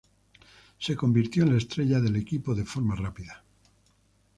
Se convirtió en la estrella del equipo de forma rápida.